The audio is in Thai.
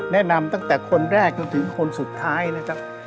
แนะนำตั้งแต่คนแรกจอดรถถือคนสุดท้ายนะครับ